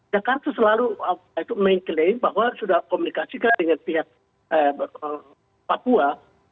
jakarta selalu mengklaim bahwa sudah komunikasikan dengan pihak papua